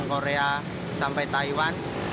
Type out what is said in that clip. dari korea sampai taiwan